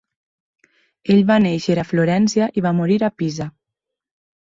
Ell va néixer a Florència i va morir a Pisa.